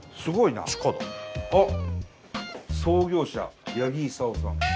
あ創業者八木功さん。